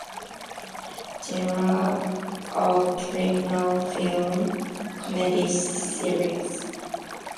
Genre of criminal film comedy series.